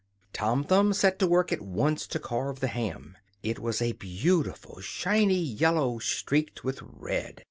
Tom Thumb set to work at once to carve the ham. It was a beautiful shiny yellow, streaked with red.